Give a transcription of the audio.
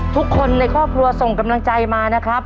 ทุกคนในครอบครัวส่งกำลังใจมานะครับ